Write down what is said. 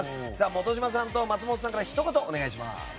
本島さんと松本さんからひと言お願いします。